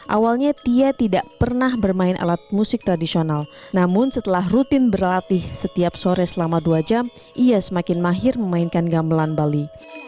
awalnya tia tidak pernah bermain alat musik tradisional namun setelah rutin berlatih setiap sore selama dua jam ia semakin mahir memainkan gamelan bali